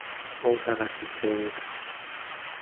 大阪市鶴見区